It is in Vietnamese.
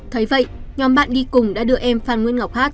thấy vậy nhóm bạn đi cùng đã đưa em phan nguyễn ngọc hát